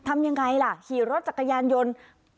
ทำยังไงล่ะขี่รถจักรยานยนต์